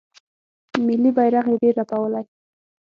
ملي بیرغ یې ډیر رپولی